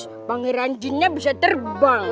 udah pasti jinnya bisa terbang